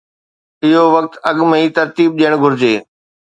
اهو وقت اڳ ۾ ئي ترتيب ڏيڻ گهرجي.